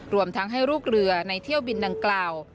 รวมทั้งให้ลูกเรือในเที่ยวบินดังกล่าว